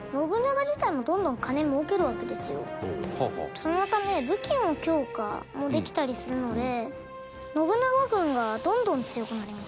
そのため武器の強化もできたりするので信長軍がどんどん強くなります。